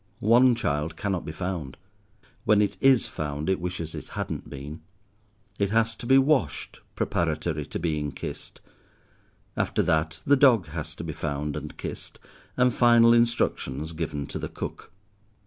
One child cannot be found. When it is found it wishes it hadn't been. It has to be washed, preparatory to being kissed. After that, the dog has to be found and kissed, and final instructions given to the cook.